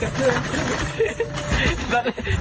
กันหน่อย